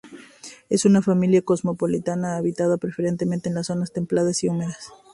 Es una familia cosmopolita; habitan preferentemente en zonas templadas y húmedas.